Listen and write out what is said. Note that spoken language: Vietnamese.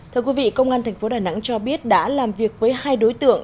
thưa quý vị công an tp đà nẵng cho biết đã làm việc với hai đối tượng